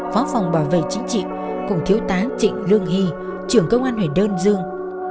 phó phòng bảo vệ chính trị cùng thiếu tá trịnh lương hy trưởng công an huyện đơn dương